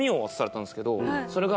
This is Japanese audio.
それが。